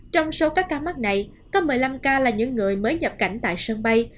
trong số các ca mắc này có một mươi năm ca là những người mới nhập cảnh tại sân bay